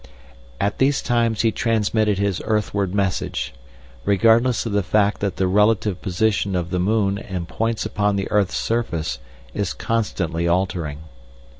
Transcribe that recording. At these times he transmitted his earthward message, regardless of the fact that the relative position of the moon and points upon the earth's surface is constantly altering.